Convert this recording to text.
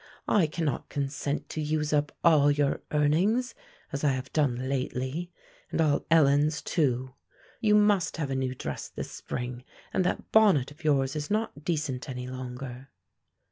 "I cannot consent to use up all your earnings, as I have done lately, and all Ellen's too; you must have a new dress this spring, and that bonnet of yours is not decent any longer."